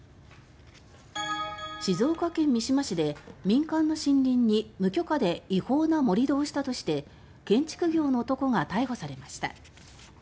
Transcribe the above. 静岡県三島市で民間の森林に無許可で違法な盛り土をしたとして建築業の男が逮捕されました。